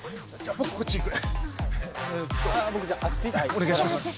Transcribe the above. あっお願いします。